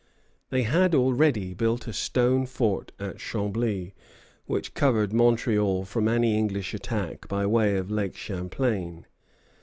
They had already built a stone fort at Chambly, which covered Montreal from any English attack by way of Lake Champlain.